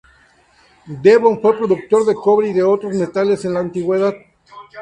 Devon fue productor de cobre y de otros metales en la antigüedad.